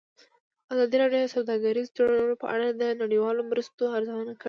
ازادي راډیو د سوداګریز تړونونه په اړه د نړیوالو مرستو ارزونه کړې.